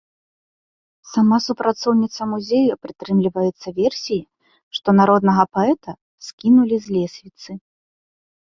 Сама супрацоўніца музею прытрымліваецца версіі, што народнага паэта скінулі з лесвіцы.